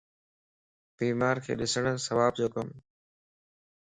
بيمارکَ ڏسڻ ثواب جو ڪمَ